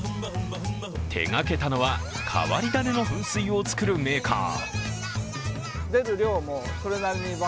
手がけたのは、変わり種の噴水を作るメーカー。